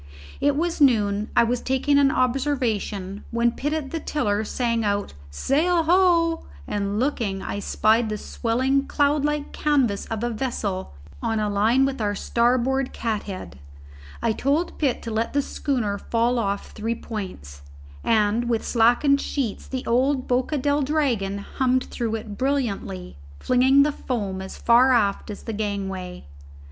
It was noon: I was taking an observation, when Pitt at the tiller sang out "Sail ho!" and looking, I spied the swelling cloud like canvas of a vessel on a line with our starboard cathead. I told Pitt to let the schooner fall off three points, and with slackened sheets the old Boca del Dragon hummed through it brilliantly, flinging the foam as far aft as the gangway.